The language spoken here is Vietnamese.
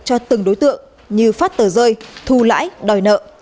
cho từng đối tượng như phát tờ rơi thu lãi đòi nợ